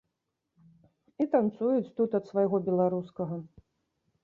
І танцуюць тут ад свайго, беларускага.